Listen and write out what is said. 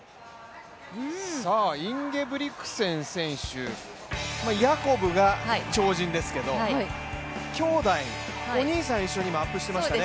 インゲブリクセン選手、ヤコブが超人ですけど、兄弟、お兄さん、今一緒にアップしてましたね。